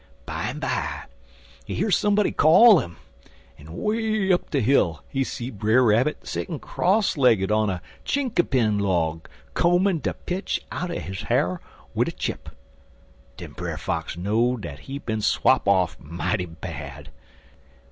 Bimeby he hear somebody call 'im, en way up de hill he see Brer Rabbit settin' crosslegged on a chinkapin log koamin' de pitch outen his har wid a chip. Den Brer Fox know dat he bin swop off mighty bad.